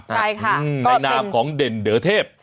ในนามของเด่นเด๋อเทพ